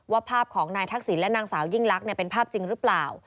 ภาพของนายทักษิณและนางสาวยิ่งลักษณ์เป็นภาพจริงหรือเปล่า